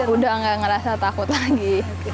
sudah nggak ngerasa takut lagi